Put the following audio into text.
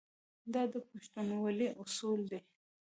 دا د پښتونولۍ اصول دي.